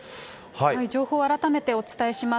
情報を改めてお伝えします。